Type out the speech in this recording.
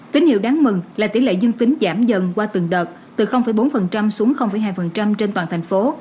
tín hiệu đáng mừng là tỷ lệ dương tính giảm dần qua từng đợt từ bốn xuống hai trên toàn thành phố